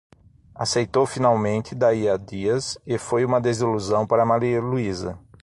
Aceitou finalmente, daí a dias, e foi uma desilusão para Maria Luísa.